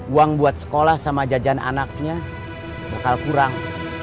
uang buat sekolah sama jajan anaknya bakal kurang